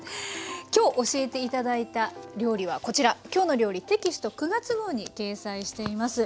今日教えて頂いた料理はこちら「きょうの料理」テキスト９月号に掲載しています。